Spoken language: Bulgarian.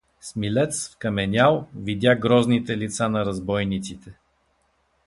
Смилец, вкаменял, видя грозните лица на разбойниците.